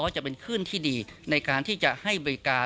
จะเป็นขึ้นที่ดีในการที่จะให้บริการ